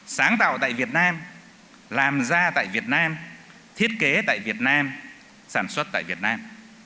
sáng tạo tại việt nam làm ra tại việt nam thiết kế tại việt nam sản xuất tại việt nam